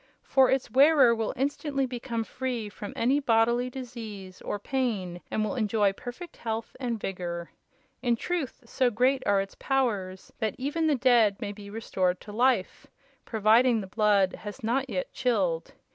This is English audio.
For its wearer will instantly become free from any bodily disease or pain and will enjoy perfect health and vigor. In truth, so great are its powers that even the dead may be restored to life, provided the blood has not yet chilled.